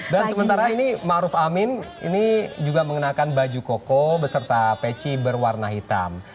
dan sementara ini ma'ruf amin ini juga mengenakan baju koko beserta peci berwarna hitam